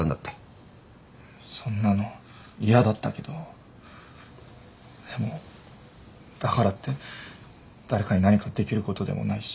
そんなの嫌だったけどでもだからって誰かに何かできることでもないし。